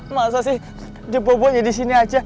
masa sih dia bawa bawa jadi sini aja